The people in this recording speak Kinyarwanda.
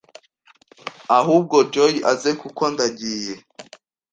Ahubwo bwira Joy aze kuko ndagiye